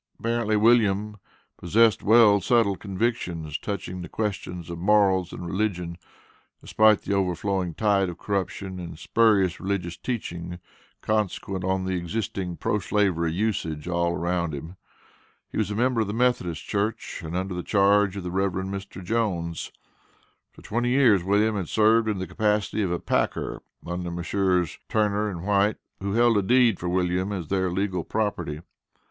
Apparently, William possessed well settled convictions, touching the questions of morals and religion, despite the overflowing tide of corruption and spurious religious teachings consequent on the existing pro slavery usages all around him. He was a member of the Methodist Church, under the charge of the Rev. Mr. Jones. For twenty years, William had served in the capacity of a "packer" under Messrs. Turner and White, who held a deed for William as their legal property.